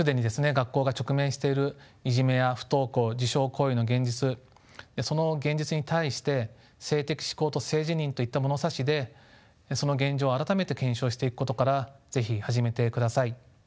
学校が直面しているいじめや不登校自傷行為の現実その現実に対して性的指向と性自認といった物差しでその現状を改めて検証していくことから是非始めてください。